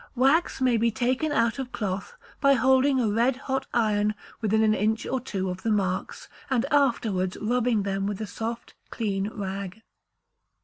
Wax may be taken out of cloth by holding a red hot iron within an inch or two of the marks, and afterwards rubbing them with a soft clean rag.